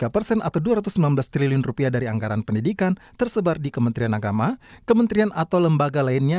tiga persen atau dua ratus sembilan belas triliun rupiah dari anggaran pendidikan tersebar di kementerian agama kementerian atau lembaga lainnya